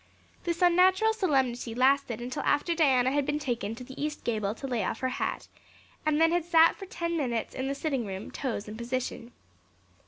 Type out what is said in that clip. This unnatural solemnity lasted until after Diana had been taken to the east gable to lay off her hat and then had sat for ten minutes in the sitting room, toes in position.